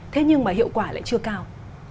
thế nhưng mà hiệu quả lại chưa cao